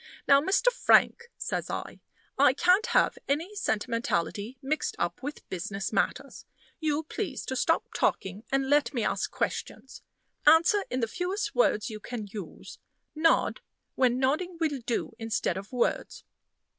"Now, Mr. Frank," says I, "I can't have any sentimentality mixed up with business matters. You please to stop talking, and let me ask questions. Answer in the fewest words you can use. Nod when nodding will do instead of words."